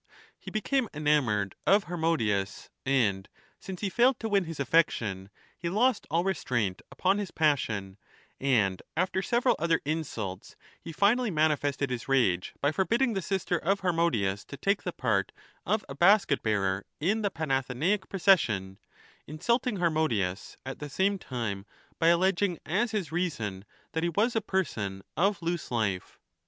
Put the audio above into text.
31 He became enamoured of Harmodius, and, since he failed to win his affection, he lost all restraint upon his passion, and after several other insults he finally manifested his rage by forbid ding the sister of Harmodius to take the part of a basket bearer in the Panathenaic procession, insulting Harmodius at the same time by alleging as his reason that he was a person of loose life.